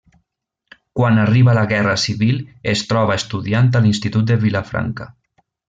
Quan arriba la Guerra Civil es troba estudiant a l'institut de Vilafranca.